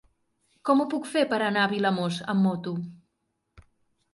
Com ho puc fer per anar a Vilamòs amb moto?